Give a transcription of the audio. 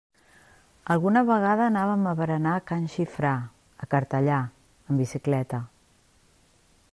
Alguna vegada anàvem a berenar a can Xifra, a Cartellà, en bicicleta.